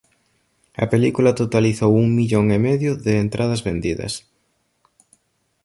A película totalizou un millón e medio de entradas vendidas.